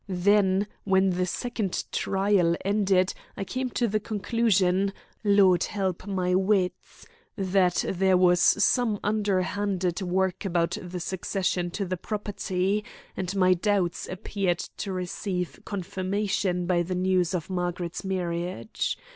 Then, when the second trial ended, I came to the conclusion Lord help my wits that there was some underhanded work about the succession to the property, and my doubts appeared to receive confirmation by the news of Margaret's marriage.